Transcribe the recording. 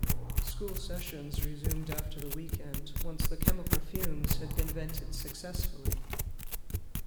School sessions resumed after the weekend once the chemical fumes had been vented successfully.